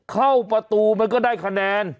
เข้าประตูมันก็ได้คะแนน